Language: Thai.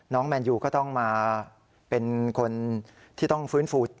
แมนยูก็ต้องมาเป็นคนที่ต้องฟื้นฟู